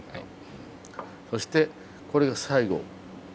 そしてこれが最後。